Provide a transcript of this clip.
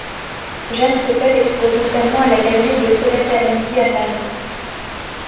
Jeanne Coppel expose notamment à la galerie de Colette Allendy à Paris.